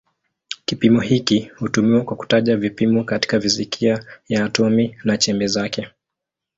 Kipimo hiki hutumiwa kwa kutaja vipimo katika fizikia ya atomi na chembe zake.